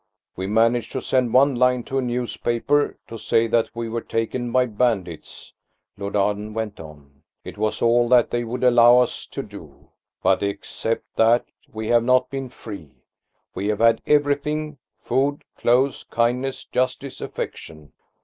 "We managed to send one line to a newspaper, to say that we were taken by bandits," Lord Arden went on; "it was all that they would allow us to do. But except that we have not been free, we have had everything–food, clothes, kindness, justice, affection.